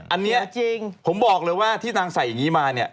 อันนี้จริงผมบอกเลยว่าที่นางใส่อย่างนี้มาเนี่ย